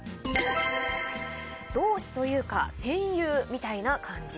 同志というか戦友みたいな感じ。